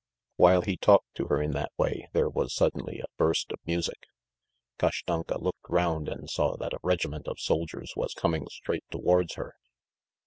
..." While he talked to her in that way, there was suddenly a burst of music. Kashtanka looked round and saw that a regiment of soldiers was coming straight towards her.